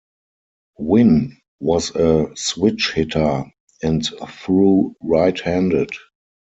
Winn was a switch hitter, and threw right-handed.